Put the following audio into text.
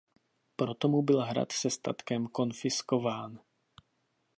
Proto mu byl hrad se statkem konfiskován.